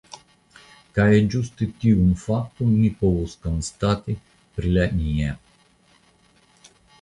Kaj ĝuste tiun fakton vi povus konstati pri la mia.